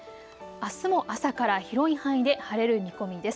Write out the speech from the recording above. あすも朝から広い範囲で晴れる見込みです。